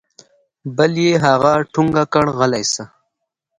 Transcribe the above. بل يې هغه ټونګه کړ غلى سه.